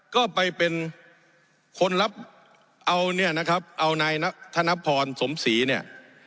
ก็ไปเป็นคนรับเอาเนี่ยนะครับเอานายธนพรสมศรีเนี่ย